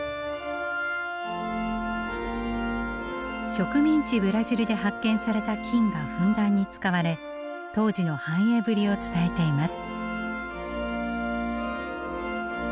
植民地ブラジルで発見された金がふんだんに使われ当時の繁栄ぶりを伝えています。